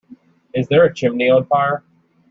Is there a chimney on fire?